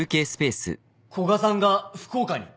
古賀さんが福岡に？